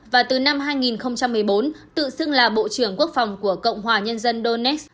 và từ năm hai nghìn một mươi bốn tự xưng là bộ trưởng quốc phòng của cộng hòa nhân dân dones